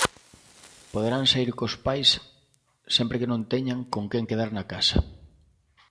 Poderán saír cos pais sempre que non teñan con quen quedar na casa.